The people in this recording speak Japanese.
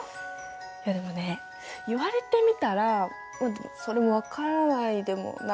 いやでもね言われてみたらそれも分からないでもないような。